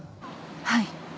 はい。